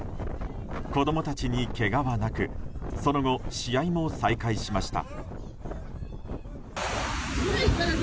子供たちにけがはなくその後、試合も再開しました。